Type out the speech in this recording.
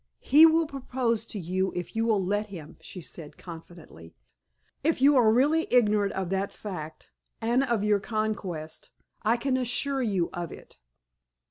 "He will propose to you if you will let him," she said, confidently. "If you are really ignorant of that fact, and of your conquest, I can assure you of it."